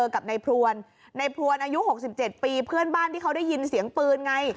กับนายพรวนนายพรวนอายุหกสิบเจ็ดปีเพื่อนบ้านที่เขาได้ยินเสียงปืนไง